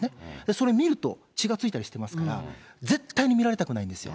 それ見ると、血がついたりしてますから、絶対に見られたくないんですよ。